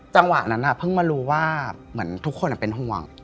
จังหวะนั้นเพิ่งมารู้ว่าเหมือนทุกคนเป็นห่วง